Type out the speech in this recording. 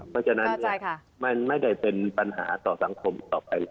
เพราะฉะนั้นมันไม่ได้เป็นปัญหาต่อสังคมต่อไป